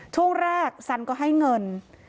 ช่วงแรกสันก็ให้เงิน